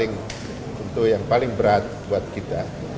itu yang paling berat buat kita